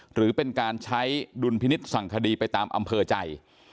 หรือเป็นการใช้ดุลพินิษฐ์สั่งคดีไปตามอำเภอใจ